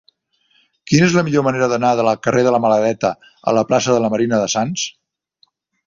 Quina és la millor manera d'anar del carrer de la Maladeta a la plaça de la Marina de Sants?